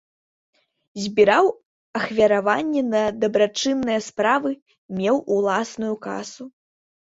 Збіраў ахвяраванні на дабрачынныя справы, меў уласную касу.